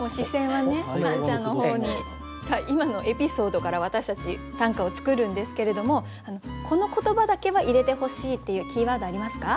今のエピソードから私たち短歌を作るんですけれどもこの言葉だけは入れてほしいっていうキーワードありますか？